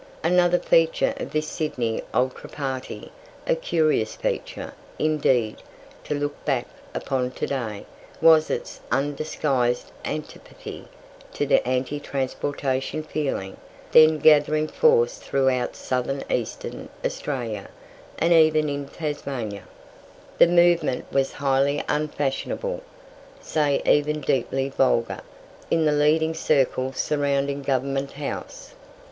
Another feature of this Sydney ultra party a curious feature, indeed, to look back upon to day was its undisguised antipathy to the anti transportation feeling then gathering force throughout South Eastern Australia, and even in Tasmania. The movement was highly unfashionable, say even deeply vulgar, in the leading circle surrounding Government House.